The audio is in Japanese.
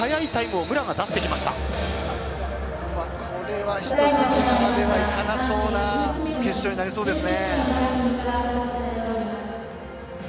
これは一筋縄ではいかなそうな決勝になりそうですね。